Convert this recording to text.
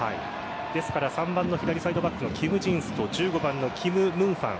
ですから３番の左サイドバックのキム・ジンスと１５番のキム・ムンファン